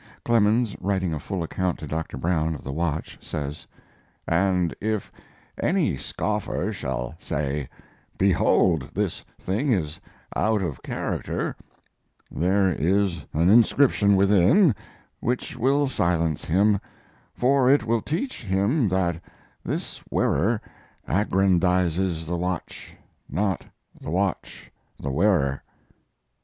Clemens, writing a full account to Dr. Brown of the watch, says: And if any scoffer shall say, "behold this thing is out of character," there is an inscription within which will silence him; for it will teach him that this wearer aggrandizes the watch, not the watch the wearer.